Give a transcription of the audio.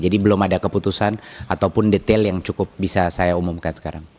jadi belum ada keputusan ataupun detail yang cukup bisa saya umumkan sekarang